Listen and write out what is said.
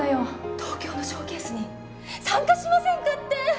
東京のショーケースに参加しませんかって！